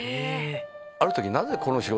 ある時。